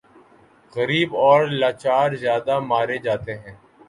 غریب اور لاچار زیادہ مارے جاتے ہیں۔